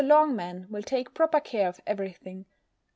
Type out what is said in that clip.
Longman will take proper care of every thing.